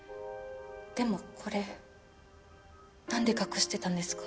でもこれなんで隠してたんですか？